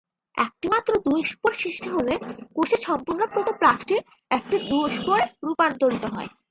একটি মাত্র জুস্পোর সৃষ্টি হলে কোষের সম্পূর্ণ প্রোটোপ্লাস্টই একটি জুস্পোরে রূপান্তরিত হয়।